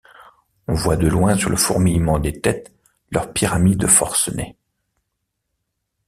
On voit de loin sur le fourmillement des têtes leur pyramide forcenée.